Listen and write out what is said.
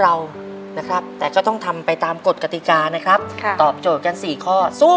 ในแคมเปญพิเศษเกมต่อชีวิตโรงเรียนของหนู